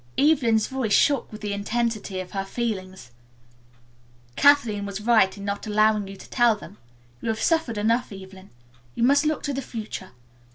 Evelyn's voice shook with the intensity of her feelings. "Kathleen was right in not allowing you to tell them. You have suffered enough, Evelyn. You must look to the future.